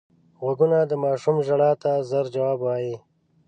غوږونه د ماشوم ژړا ته ژر ځواب وايي